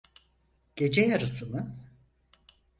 Gece yarısı mı?